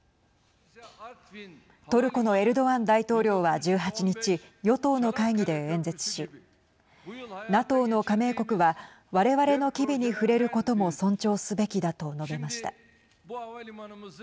トルコのエルドアン大統領は１８日与党の会議で演説しＮＡＴＯの加盟国はわれわれの機微に触れることも尊重すべきだと述べました。